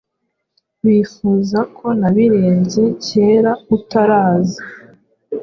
Bifuza ko nabirenze cyera utaraza